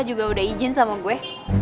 juga udah izin sama gue